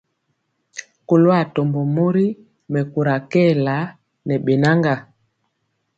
Kɔlo atɔmbɔ mori mɛkóra kɛɛla ne bɛnaga.